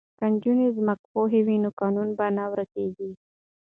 که نجونې ځمکپوهې وي نو کانونه به نه ورکیږي.